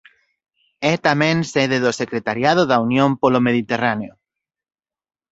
É tamén sede do secretariado da Unión polo Mediterráneo.